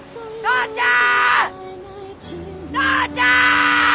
父ちゃん！